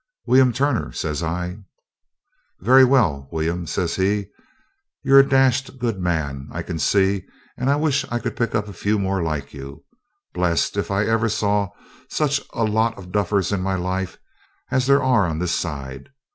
'William Turner,' says I. 'Very well, William,' says he, 'you're a dashed good man, I can see, and I wish I could pick up a few more like you. Blessed if I ever saw such a lot of duffers in my life as there are on this side.